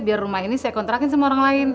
biar rumah ini saya kontrakin sama orang lain